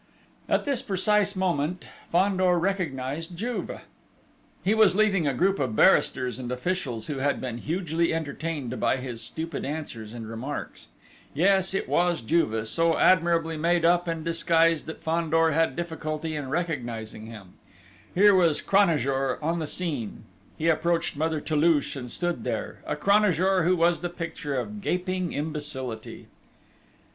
At this precise moment, Fandor recognised Juve. He was leaving a group of barristers and officials, who had been hugely entertained by his stupid answers and remarks. Yes, it was Juve, so admirably made up and disguised that Fandor had difficulty in recognising him. Here was Cranajour on the scene! He approached Mother Toulouche and stood there a Cranajour who was the picture of gaping imbecility!